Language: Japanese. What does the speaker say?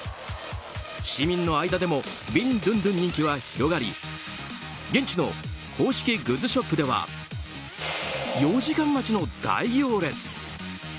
市民の間でもビンドゥンドゥン人気は広がり現地の公式グッズショップでは４時間待ちの大行列。